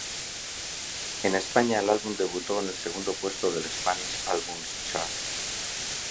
En España el álbum debutó en el segundo puesto del "Spanish Albums Chart".